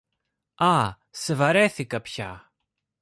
Α, σε βαρέθηκα πια!